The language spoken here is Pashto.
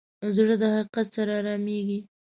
زړه د حقیقت سره ارامېږي.